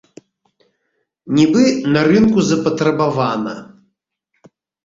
Нібы на рынку запатрабавана.